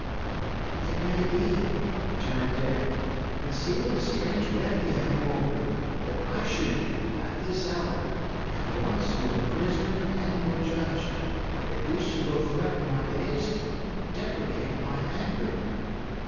"It may be," returned Dick. "But see what a strange web ye have woven, that I should be, at this hour, at once your prisoner and your judge; that ye should both threaten my days and deprecate my anger.